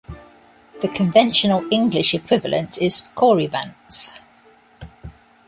The conventional English equivalent is "Corybants".